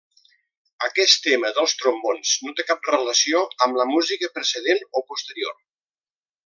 Aquest tema dels trombons no té cap relació amb la música precedent o posterior.